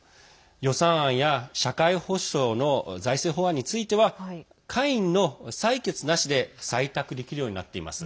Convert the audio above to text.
予算案や社会保障の財政法案については下院の採決なしで採択できるようになっています。